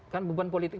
kan beban politik